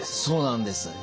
そうなんです。